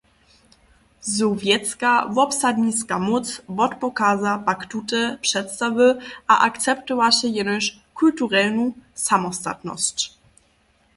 Sowjetska wobsadniska móc wotpokaza pak tute předstawy a akceptowaše jenož kulturelnu samostatnosć.